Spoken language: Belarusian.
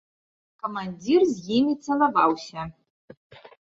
Камандзір з імі цалаваўся.